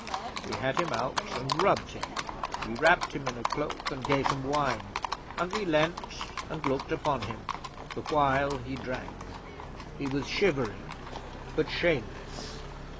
'We had him out, and rubbed him; we wrapped him in a cloak, and gave him wine, and we leaned and looked upon him, the while he drank. He was shivering, but shameless.